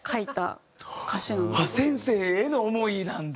先生への思いなんだ。